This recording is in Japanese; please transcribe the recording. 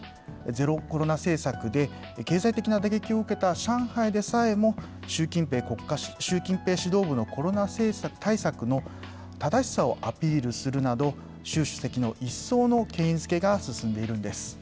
ゼロコロナ政策で、経済的な打撃を受けた上海でさえも、習近平指導部のコロナ対策の正しさをアピールするなど、習主席の一層の権威付けが進んでいるんです。